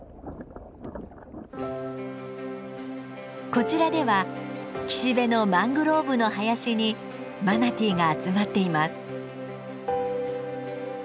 こちらでは岸辺のマングローブの林にマナティーが集まっています。